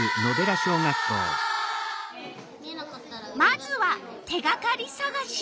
まずは手がかりさがし。